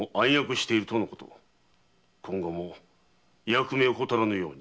今後も役目怠らぬように。